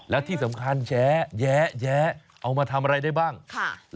แล้วที่สำคัญแย้เอามาทำอะไรได้บ้างค่ะ